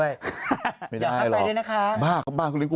อยู่กลางวัน